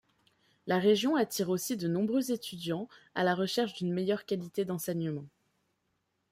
La région attire aussi de nombreux étudiants à la recherche d'une meilleure qualité d'enseignement.